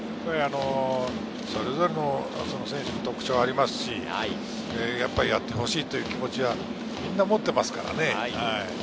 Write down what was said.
それぞれの選手の特徴がありますし、やってほしいという気持ちはみんな持っていますからね。